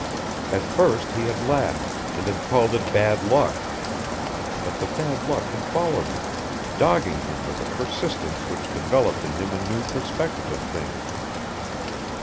At first he had laughed, and had called it bad luck. But the bad luck had followed him, dogging him with a persistence which developed in him a new perspective of things.